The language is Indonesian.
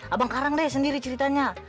abang karang deh sendiri ceritanya